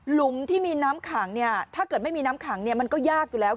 ลุมที่มีน้ำขังเนี่ยถ้าเกิดไม่มีน้ำขังมันก็ยากอยู่แล้ว